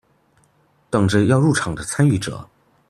等著要入場的參與者